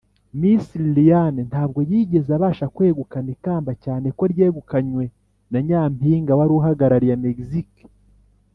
miss liliane ntabwo yigeze abasha kwegukana ikamba cyane ko ryegukanywe na nyampinga wari uhagarariye mexique.